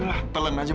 lah pelan aja